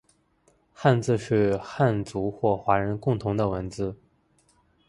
汉字是汉族或华人的共同文字